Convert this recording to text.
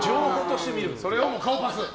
それを顔パス？